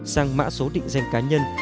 sang mã số định danh cá nhân